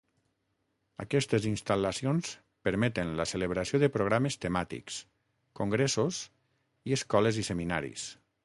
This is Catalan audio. Aquestes instal·lacions permeten la celebració de programes temàtics, congressos i escoles i seminaris.